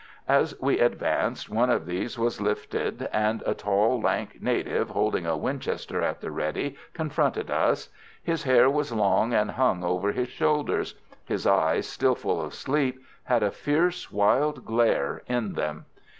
As we advanced one of these was lifted, and a tall, lank native, holding a Winchester at the "ready," confronted us. His hair was long, and hung over his shoulders; his eyes, still full of sleep, had a fierce, wild glare in them.